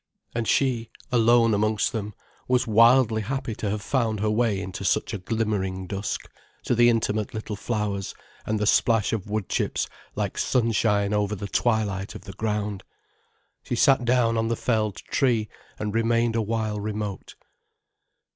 And she, alone amongst them, was wildly happy to have found her way into such a glimmering dusk, to the intimate little flowers, and the splash of wood chips like sunshine over the twilight of the ground. She sat down on the felled tree and remained awhile remote.